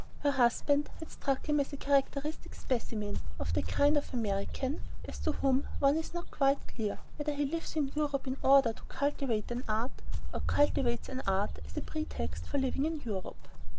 Her husband had struck him as a characteristic specimen of the kind of American as to whom one is not quite clear whether he lives in Europe in order to cultivate an art, or cultivates an art as a pretext for living in Europe.